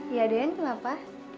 iya aden kenapa